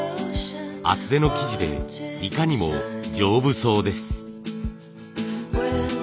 厚手の生地でいかにも丈夫そうです。